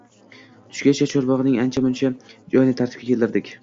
Tushgacha chorbogʻning ancha-muncha joyini tartibga keltirdik.